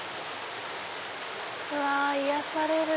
うわ癒やされる。